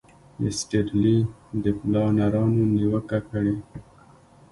ایسټرلي د پلانرانو نیوکه کړې.